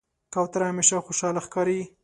کوتره همیشه خوشحاله ښکاري.